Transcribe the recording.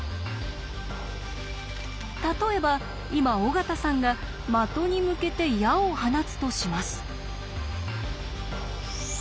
例えば今尾形さんが的に向けて矢を放つとします。